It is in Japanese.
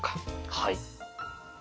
はい。